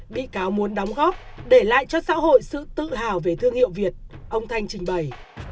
bị cáo muốn đóng góp để lại cho xã hội sự tự hào về thương hiệu việt ông thanh trình bày